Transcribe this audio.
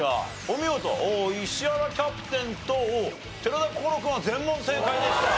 お見事石原キャプテンと寺田心君は全問正解でした。